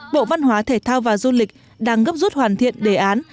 bộ văn hóa thể thao và du lịch đang gấp rút hoàn thiện đề án